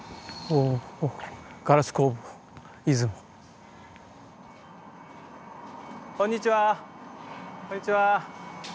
あっこんにちは。